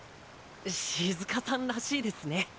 シズカさんらしいですね。